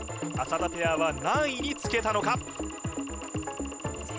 浅田ペアは何位につけたのか？